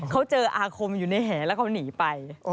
เขาเจออาคมอยู่ในแหแล้วเขาหนีไป